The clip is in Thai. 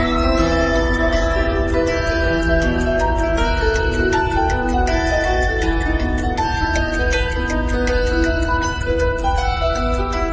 สวัสดีครับทุกคน